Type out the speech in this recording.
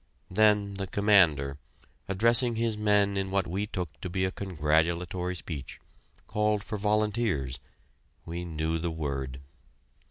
Then the commander, addressing his men in what we took to be a congratulatory speech, called for volunteers. We knew the word.